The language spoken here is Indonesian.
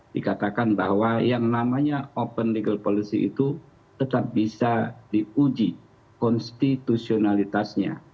dikatakan bahwa yang namanya open legal policy itu tetap bisa diuji konstitusionalitasnya